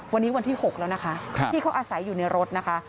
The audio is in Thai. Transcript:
วันนี้วันที่๖แล้วนะคะที่เขาอาศัยอยู่ในรถนะคะ